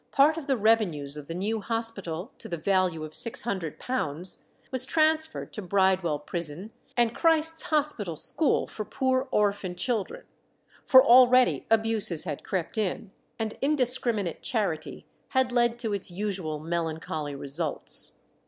part of the revenues of the new hospital, to the value of six hundred pounds, was transferred to Bridewell prison and Christ's Hospital school for poor orphan children; for already abuses had crept in, and indiscriminate charity had led to its usual melancholy results.